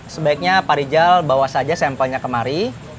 sebaiknya pak rijal bawa saja sampelnya kemari